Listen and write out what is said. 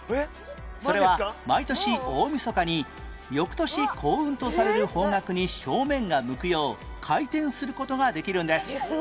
それは毎年大みそかに翌年幸運とされる方角に正面が向くよう回転する事ができるんです